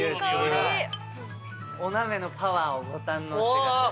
おなめのパワーをご堪能ください。